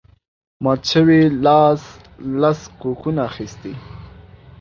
مات شوي لاس لس کوکونه اخیستي